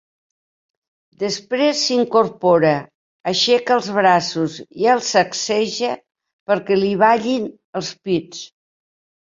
Després s'incorpora, aixeca els braços i els sacseja perquè li ballin els pits.